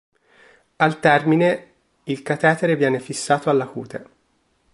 Al termine il catetere viene fissato alla cute.